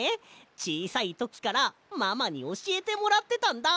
ちいさいときからママにおしえてもらってたんだ。